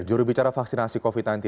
juru bicara vaksinasi covid sembilan belas